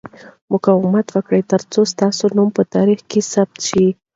مقاومت وکړه ترڅو ستا نوم په تاریخ کې ثبت شي.